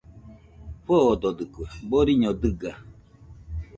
Foododɨkue, boriño dɨga